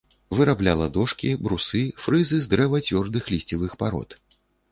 Вырабляла дошкі, брусы, фрызы з дрэва цвёрдых лісцевых парод.